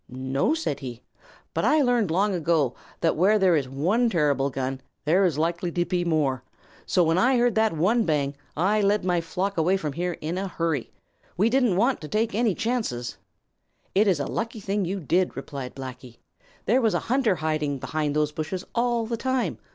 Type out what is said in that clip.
"No," said he, "but I learned long ago that where there is one terrible gun there is likely to be more, and so when I heard that one bang, I led my flock away from here in a hurry. We didn't want to take any chances." "It is a lucky thing you did," replied Blacky. "There was a hunter hiding behind those bushes all the time.